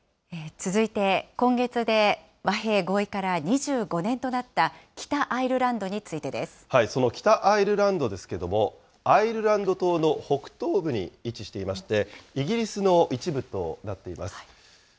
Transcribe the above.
続いて、今月で和平合意から２５年となった、その北アイルランドですけれども、アイルランド島の北東部に位置していまして、イギリスの一部となっています。